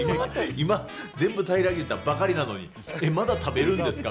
今、全部たいらげたばかりなのにまだ食べるんですか？